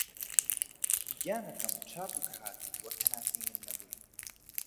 گیانەکەم! چابوو کە هاتی، وەک هەناسەی من نەبووی